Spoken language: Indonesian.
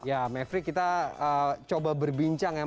ya mevri kita coba berbincang ya